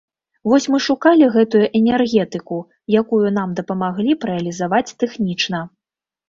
Вось мы шукалі гэту энергетыку, якую нам дапамаглі б рэалізаваць тэхнічна.